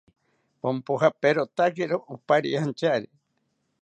Ponpojaperotakiro opariantyari